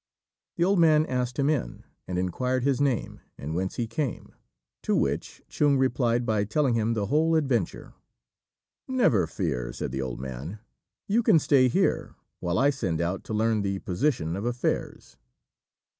The old man asked him in, and inquired his name and whence he came; to which Chung replied by telling him the whole adventure. "Never fear," said the old man; "you can stay here, while I send out to learn the position of affairs."